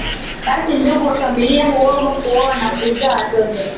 Basi ndugu wa familia huombwa kuoa na kuzaa watoto